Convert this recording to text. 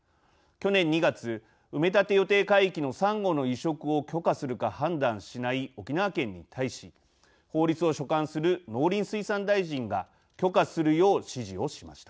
去年２月埋め立て予定海域のサンゴの移植を許可するか判断しない沖縄県に対し法律を所管する農林水産大臣が許可するよう指示をしました。